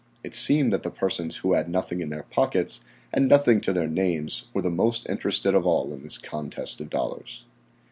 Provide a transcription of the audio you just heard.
It seemed that the persons who had nothing in their pockets and nothing to their names were the most interested of all in this contest of dollars.